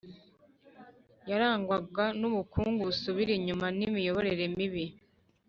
yarangwaga n'ubukungu busubira inyuma n'imiyoborere mibi.